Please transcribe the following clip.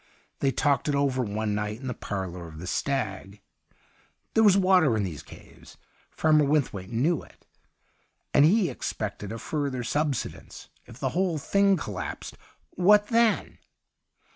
They talked it over one night in the parlour of The Stag. There was water in these caves. Farmer Wynthwaite knew it ; and he ex pected a further subsidence. If 134 THE UNDYING THING the whole thing collapsed^ what then